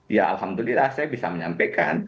ya alhamdulillah saya bisa menyampaikan